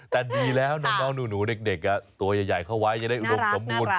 แต่ดีแล้วน้องหนูเด็กตัวใหญ่เข้าไว้จะได้อุดมสมบูรณ์